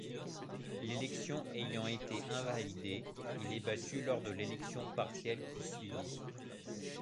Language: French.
L'élection ayant été invalidée, il est battu lors de l'élection partielle qui suivit.